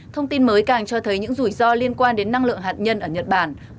thông tin mới càng cho thấy những rủi ro liên quan đến năng lượng hạt nhân ở nhật bản